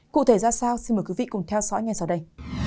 cụ thể ra sao xin mời quý vị cùng theo dõi ngay sau đây